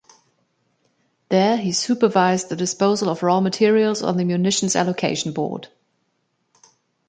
There he supervised the disposal of raw materials on the Munitions Allocation Board.